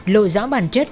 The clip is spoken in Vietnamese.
lộ rõ bản chất